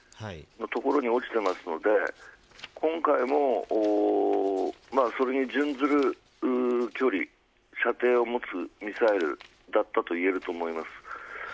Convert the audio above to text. そこに落ちているので今回も、それに準ずる距離射程を持つミサイルだったと思います。